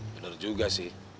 bener juga sih